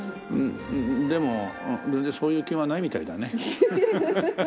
でも全然そういう気はないみたいだね。